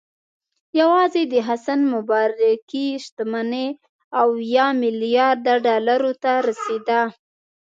یوازې د حسن مبارک شتمني اویا میلیارده ډالرو ته رسېده.